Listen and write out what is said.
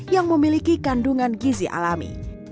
yang memiliki kandungan gizi alami